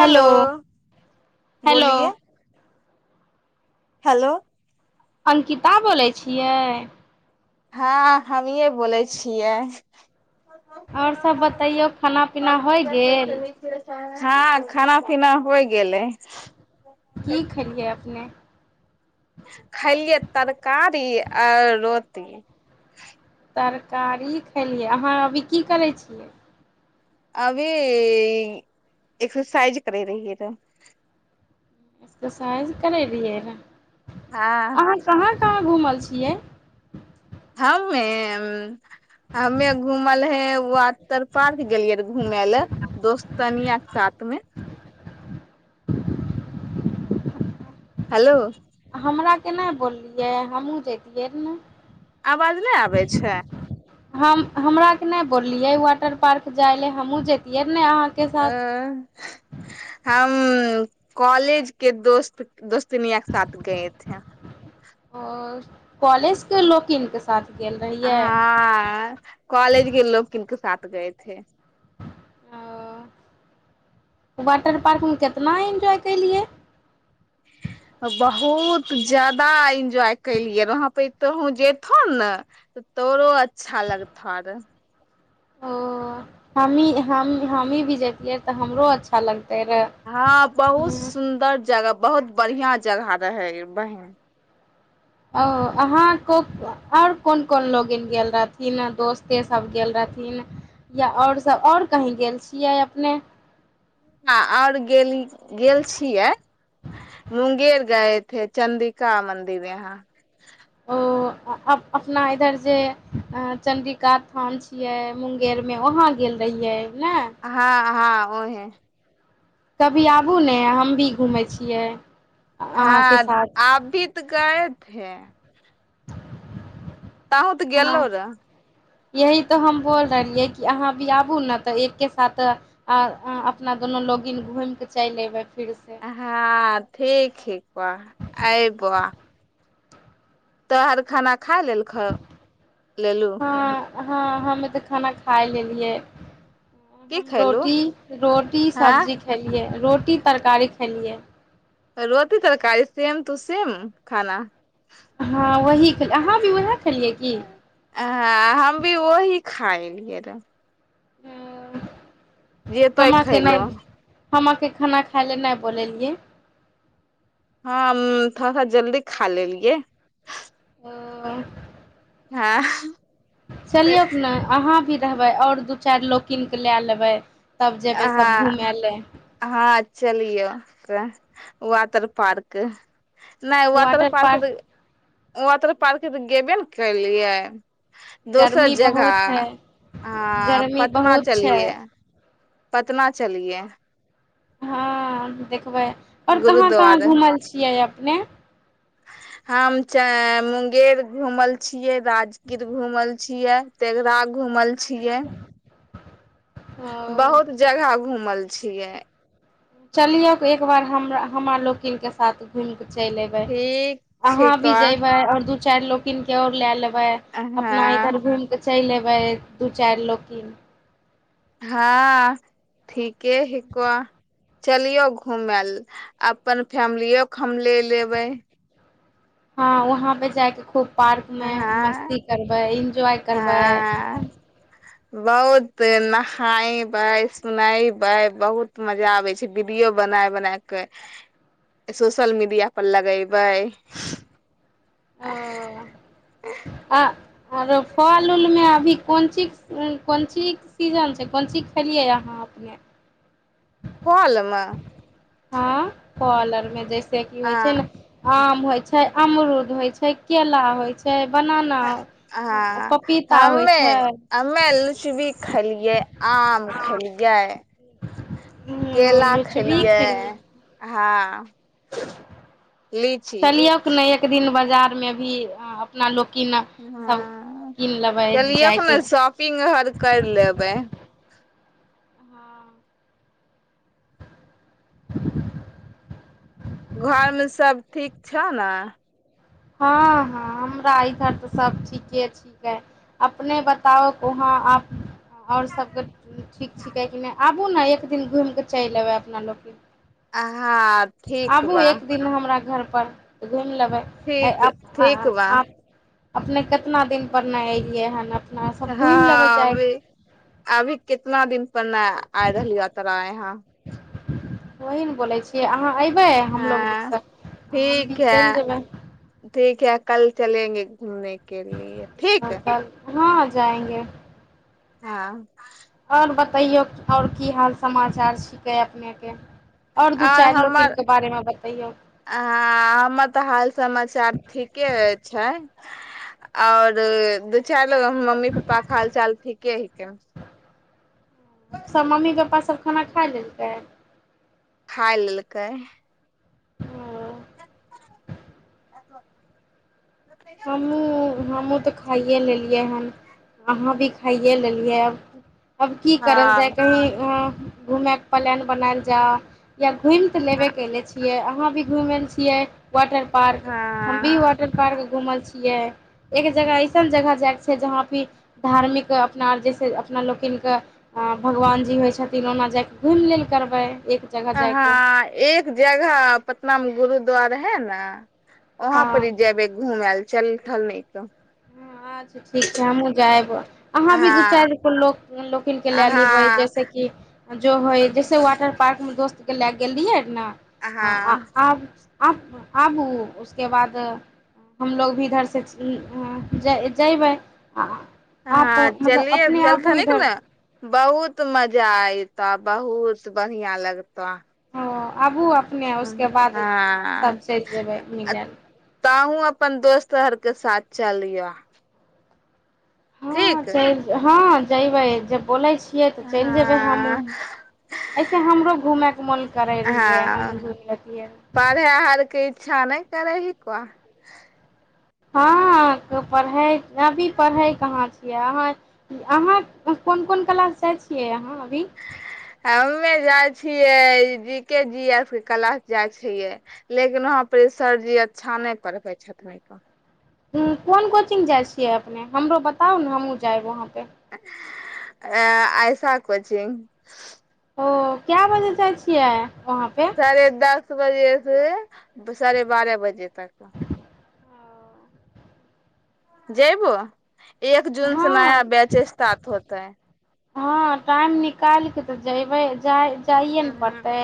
hello hello बोलिए hello Ankita बोलैछियै हाँ हमियै बोलैछियै आओर सब बतैयो खाना पीना होइ गेल हाँ खाना पीना होइ गेलैए कि खेलिए अपने खेलिए तरकारीआ रोटी तरकारी खेलिए अहाँ अभी की करै छियै अभी एक्सरसाइज करै रहिये र हा एक्सरसाइज करै रहिया रे हा हँ अहाँ कहाँ कहाँ घुमल छियै हमें उँ हमें घुमल हइ हे आर तरपास गेलिए घुमैय ला दोस्ततनियाँ के साथ मे हेलो हमरा के नै बोललिए हमहूँ जेतीयै न आवाज नै आबै छै हम हमारा आर के नै बोललिए वाटर पार्क जाइ ला हमहूँ जेतियै न अहाँ - ए- अ हूँ [unintelligible] हँ कॉलेज के लोकिन के साथ गेल रहियै हाँ -अ कॉलेज के लोकिन के साथ [unintelligible] हँ वाटरपार्क मे केतना इंजॉय केलिए बहुत ज्यादा इंजॉय केलिए वहाँपर तुहों जेतहो न तोरो अच्छा लगथऽ र हा ओ हम्मी हम हम्मी भी जेतियै त हमरो अच्छा लग- हाँ बहुत सुन्दर जगह बहुत बढ़ियाँ जगह रहै बै- ओ अहाँ ओ- आओर कोन कोन लोग गेल रहथिन दोस्ते सब गेल छलथिन या आओर सब आओर कहीं गेल छियै अपने हाँ आओर गेलि गेल छियै [unintelligible] ओ अप-अपना इधर जे चंडीका स्थान छियै मुंगेर मे वहाँ गेल रहियै ने हाँ हाँ ओहें कभी आबू ने हम भी घुमैय छियै अहाँके हाँ साथ [unintelligible] तोंहूँ त अहाँ गेलो र हा यही त हम बोल रहलीयै कि अहाँ भी आबू न त एक साथ आ- अं अपना दोनों लोग घुमय क चैल अएबै हां ठीक छिकऽ ऐबऽ तोहर खाना खालेलख लेलू हँ हँ हमें त खाना खायलेलिय की हम खयलू रोटी रोटी हँ सब्जी खेलियै रोटी तरकारी खेलिऐ रोटी तरकारी सेम टू सेम खाना हाँ वही खेलियै अहाँ भी वह खेलियै की हँ हम भी वही खा एलिए रेऽ हूँ एयतै खैलों हमके खाना खायलै नहि बोलेलिए हां हम-मम थोड़ा सा जल्दी खा लेलिए हूँ हाँ चलियोक ने अहाँ भी रहबै आओर दो चार लोक किन के ला लेबै तब जेबै सभ हाँ घूमय लए हाँ चलियौ के वाटर पार्क नै वाटर पार्क वाटर पार्क त गेबे न केलियै दोसर गर्मी जगह बहुत है हाँ गर्मी पटना बहुत छै चलियै पटना चलिए हाँ देखबै आओर कहाँ कहाँ गुरुद्वारे घूमल छियै अप- ने हम चं मुंगेर घूमल छियै राजगीर घूमल छियै तेघरा घूमल छियै ओ बहुत जगह घूमल छियै चलियोक एक बार हमरा हमरालोकिन से साथ घूम- चैल एबै ठीक अहाँ भी छिको जैबै आर दू - चारि लोकिन कै आओर ले लेब -बै अपना इधर हँ घूम के चैल ऐबै चैल ऐबै दो चारि लोकिन हाँ ठीके हिकख चलिए घुमेला अपन फैमिलयो के हम ले ले बैय हाँ वहाँ पर जाइ के खूब पार्क हँ मे मस्ती करबै इंजॉय करबै बहुते नहाबै सोनैबै बहुत मजा आबै छैय वीडियो बनाय बनाय के सोशल मीडिया पर लगैबै ओ आ अरो फल उल मे अभी कोनचीज कोनचीज के सिजन छैय कोनची खेलियै अहाँ अपने फल मे हाँ फल अर मे जैसे जे की होइ छैय आ ने आम होइ छैय अमरुद होइ छैय, केला होइ छैय हाँ होइ हम्मे छै हम्मे लुचबी खेलियै आम खेलियै, केला लुचबी खेलियै [unintelligible] हाँ ह [unintelligible] चलियोक ने एक दिन बजा- बाजारमे भी अं अपना लोक जा- हँ चलियोक ने जायके शॉपिंग अर करि लेबै हँ क [unintelligible] घरमे सब ठीक छ ने हँ हँ हमरा इधर तऽ सभ ठीके छिकै अपने बताउ उहाँ अप- आओर सबके ठीक छिकै कि नहि आबू ने एक दिन घुमि कऽ चलि अयबै अपना लोग भी हँ ठीक बा अपन घुमि लेबै ठीक ठीक बा आप अपने कितना दिन पर नहि एलियै हन अपना सब घुमि लेबै हँ अभी जायके अभी कितना दिन अपना आइ रहलियो तोरा यहाँ वही ने बोलै छियै अहाँ एब- हँ ठीक चलि है जेबै ठीक है [unintelligible] कल चलेगे घूमने [unintelligible] ठीक [unintelligible] हाँ जाएंगे [unintelligible] हँ आओर बतइयौ आओर की हाल समाचार छिकै अपनेके आओर दू आओर चारि लोकिन हमर के बारेमे बतैयौ हाँ हमर तऽ हाल समाचार ठीके छैय आओर दू चारि मतलब मम्मी पप्पा क हाल चाल ठीके हिकेन सभ मम्मी पप्पासभ खाना खा लेलकै खा लेलकै अ [unintelligible] हमहूँ हमहहुूँ तऽ खाइए लेलियै हन अहाँ भी खाइए लेलियै आब अब की करल जाय हँ कहीं अं - घुमैके प्लैन बनायल जाऽ या घुमि ते लेबे केले छियै अहाँ भी घुमैल छियै वाटर पार्क हम भी हँ वाटर पार्क छियै एक जगह ऐसन जगह जाइके छै जहाँ भी धार्मिक अपना आर जैसे अपना लोकिन के हँ भगवानजी होइ छथिन ओना जाके घुमि लेल करबै एक जगह जायके हँ एक जगह पटना मे गुरुद्वार है ने वहाँ हँ पर जेबै घूमेल चल थल नहि क हाँ आज ठीक छै हमहूँ जायब अहाँ भी दू हँ चारि गो लोक लोकिन के लए लेबै हँ जैसे की जो होइ जैसन वाटर पार्क मे दोस्त ले गेल रहियै ना हँ -हाँ आब अहाँ आबू उसके बाद हमलोग भी इधर से हँ ज-जबै हँ चलियै आबू चलथनीक इधर ने बहुत बहुत मजा एयत बहुत बढ़ियाँ लगतऽ ओ आबू आब अपने उसके बाद सभ हँ चलि जेबै मिलयै ला ताहू अपन दोस्तर हर के साथ चलिह हँ ठीक चल-हँ जैबै जब बोलै छी छियै तऽ चलि जेबै हमँहूँ हँ ऐसे हमरो घूमैके मोन करै रहियै हमहुूँ हँ घुमि लतियै रह करै हैक हँ त पढ़ै अभी पढ़ै कहाँ छ कि-अह अहाँ कोन कोन क्लास जाइ छियै अहाँ अभी हमे जा- छियै जी के जी आर के क्लास जाइ छियै लेकिन वहाँ पर सरजी अच्छा नहि पढ़बै छथिन उँ कोन कोचिंग जाइ छियै अपने हमरो बताउ ने हमहूँ जायब वहाँ पे अं ऐसा कोचिंग ओ काए बजे जाइ छियै वहाँपे साढ़े दस बजे से साढ़े बारह बजे तक जैबऽ एक जून से हँ नाया बैच स्टार्ट होतै हँ टाइम निकाल कऽ तऽ जयबै जाइ जाइए ने हँ पड़तै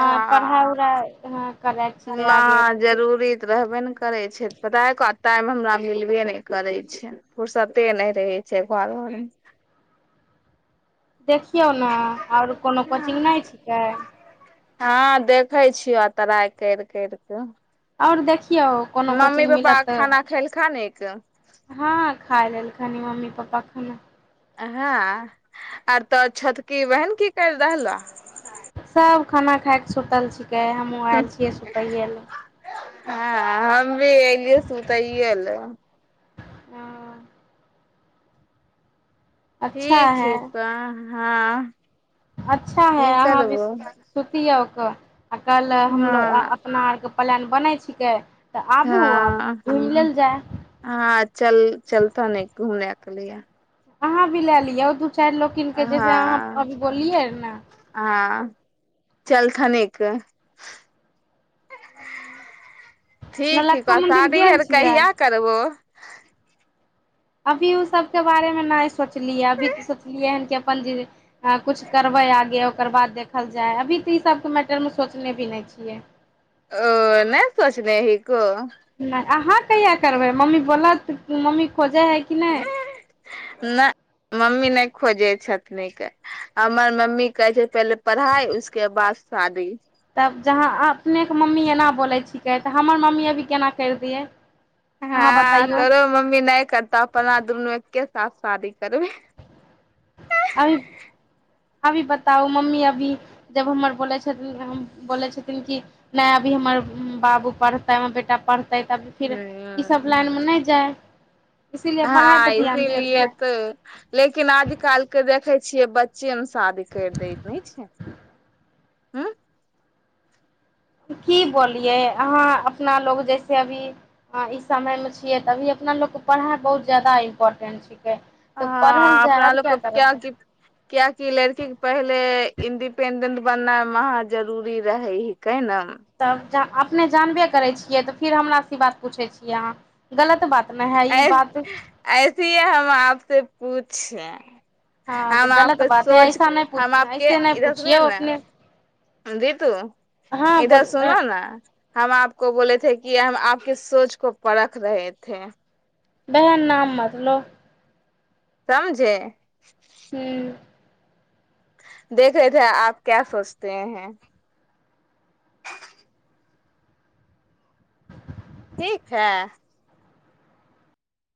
हँ पढ़ाइ उढ़ाइ हाँ करै छिकै न आगे तऽ फिर जरूरी तऽ रहबे ने करै छै पता हइ क टाइम हमरा मिलबे नहि करै छै फुरसते नहि रहै छै घर घरमे देखियौ ने आओर कोनो कोचिंग नहि छिकै हँ देखै छिय ट्राई करि करि केऽ आओर देख- मम्मी पापा खाना खेल खानिक [unintelligible] हाँ खाइ लेलकै हन मम्मी पापा खाना हाँ आर तोहर छोटकी बहिन की कैर रहलऽ सब खाना खाइके सुतल छै हूँ हँ हम भी एलिएऽ सूतैयला ओं अच्छा ठीक है हइ कन हाँ अच्छा हा अहाँ अभी सूतयौ क कहलों हमलोग हँ आ-अपना आर के प्लान बनै छिकै तऽ आबू आ हाँ घुमि लेल जाय हाँ चल- चलतऽ नहि घूमन के लिए अहाँ भी लेलियौ - चारि लोकिन के जैसे अहाँ हँ अभी बोललिए रहे न हँ चलथनिक ठीक छी नौलक्खा मंदिर प्रसादी गेल आर छियै कहिया करबो अभी उ सब के बारे मे नै सोचलिए अभी त सोचलिए हन अपन जे हँ की कुछ करबै आगे अकोर बाद देखल जाए अभी त इ सब के मैटर मे सोचने भी नहि छियै ओ नहि सोचने ही को नै अहाँ कहिया करबै मम्मी बोलत मम्मी खोजै हइ कि नहि न मम्मी नै खोजे छथनिके हमर मम्मी कहै छै पहले पढ़ाई उसके बाद शादी तब जहाँ अपनेक मम्मी ऐना बोलेछिकै त हमर मम्मी केना कैर दियै अहाँ हाँ बतैयौ तोरो मम्मी नै करतऽ अपना दुनू एके - -साथ शादी करबैय ह अभी अभी बताउ मम्मी अभी जब हमर बोलै छथिन बोलै छथिन की नै हमर बाबु पढ़तै हमर बेटा पढ़- तै त अभी फिर इ सब लाइन मे नै जाय इसीलिए पढ़ाइ हाँ पर ध्यान देल इसलिए जाय तो लेकिन आज काल के देखैय - -छियै बच्चे मे - शादी कैर दैय नहि छै हूँ की बोलयै अहाँ अपना लोक जैसे हाँ इस समय मे छियै त अभी अपना लोक पढ़ाई बहुत ज्यादा इम्पोर्टेन्ट छै ह-आ अपना लोक जाय कियाकि कियाकि लड़की के पढ़ै ले इंडिपेंडेंट बननाय महा जरूरी रहै ही कै न त अपने जनबै करै छियै त फिर हमरा सँ इ बात की पूछै छियै अहाँ गलत बात ने है ई ऐस बात ऐसे ही हम आप से पूछ छा हाँ गलत बात हा ऐसा न हम पूछ ऐसे नै पूछियौ अपने दी तु हँ इधर बोल सुने न हम आप [unintelligible] [unintelligible] [unintelligible] हूँ [unintelligible] [unintelligible]